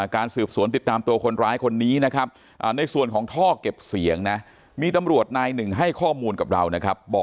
การสืบสวนติดตามตัวคนร้ายคนนี้นะครับ